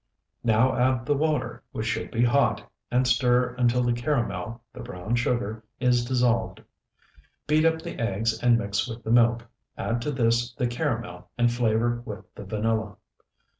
Now add the water, which should be hot, and stir until the caramel (the browned sugar) is dissolved. Beat up the eggs and mix with the milk; add this to the caramel and flavor with the vanilla.